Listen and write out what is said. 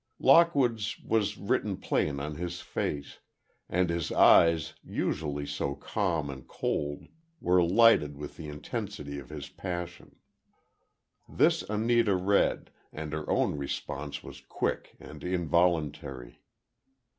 Lockwood's was written plain on his face, and his eyes, usually so calm and cold, were lighted with the intensity of his passion. This Anita read, and her own response was quick and involuntary.